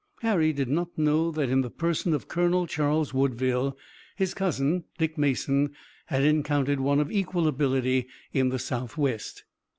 Harry did not know that in the person of Colonel Charles Woodville, his cousin, Dick Mason, had encountered one of equal ability in the Southwest.